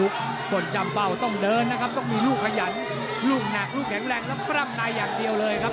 คนจำเป้าต้องเดินนะครับต้องมีลูกขยันลูกหนักลูกแข็งแรงแล้วปร้ำในอย่างเดียวเลยครับ